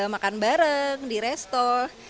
makan bareng di restoran